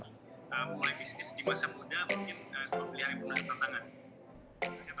mulai bisnis di masa muda mungkin sebuah pilihan yang pernah ditantangkan